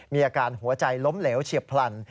มีอาการหัวใจล้มเหลวเฉียบพลัน